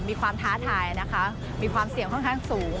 ท้าทายนะคะมีความเสี่ยงค่อนข้างสูง